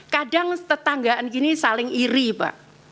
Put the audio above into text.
kadang tetanggaan gini saling iri pak